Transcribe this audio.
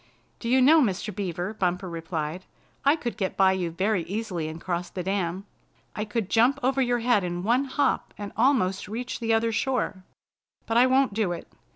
"Do you know, Mr. Beaver," Bumper replied, "I could get by you very easily and cross the dam? I could jump over your head in one hop and almost reach the other shore. But I won't do it!